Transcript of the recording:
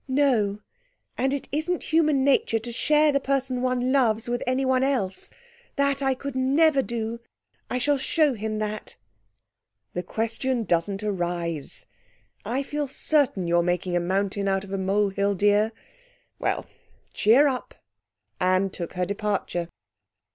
'No; and it isn't human nature to share the person one loves with anyone else. That I could never do. I shall show him that.' 'The question doesn't arise. I feel certain you're making a mountain out of a mole hill, dear. Well cheer up!' Anne took her departure.